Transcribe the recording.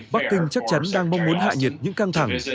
bắc kinh chắc chắn đang mong muốn hạ nhiệt những căng thẳng